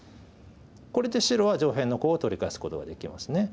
これで白は上辺のコウを取り返すことができますね。